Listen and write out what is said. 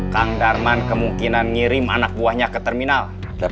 kang darman kemungkinan ngirim anak buahnya ke terminal